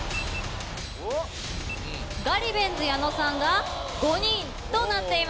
ガリベンズ矢野さんが５人となっています。